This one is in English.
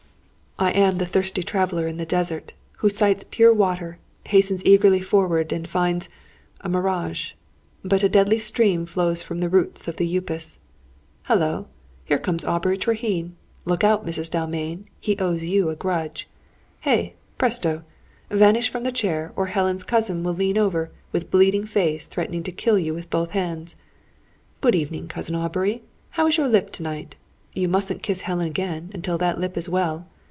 I am the thirsty traveller in the desert, who sights pure water, hastens eagerly forward, and finds a mirage! But a deadly stream flows from the roots of the Upas Hullo! Here comes Aubrey Treherne. Look out, Mrs. Dalmain! He owes you a grudge. Hey, presto! Vanish from the chair, or Helen's cousin will lean over, with a bleeding face, threatening to kill you with both hands!... "Good evening, Cousin Aubrey. How is your lip to night? You mustn't kiss Helen again, until that lip is well.